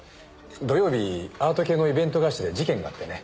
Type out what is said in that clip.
土曜日アート系のイベント会社で事件があってね。